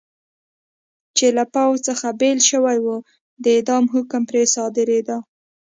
چې له پوځ څخه بېل شوي و، د اعدام حکم پرې صادرېده.